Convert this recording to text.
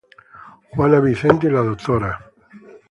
Juana Vicente y la Dra.